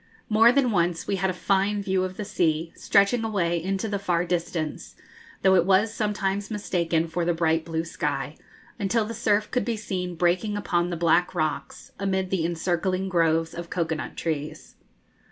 More than once we had a fine view of the sea, stretching away into the far distance, though it was sometimes mistaken for the bright blue sky, until the surf could be seen breaking upon the black rocks, amid the encircling groves of cocoa nut trees.